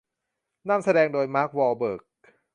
หนังนำแสดงโดย มาร์ค วอห์ลเบิร์ก